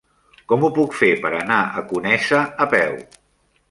Com ho puc fer per anar a Conesa a peu?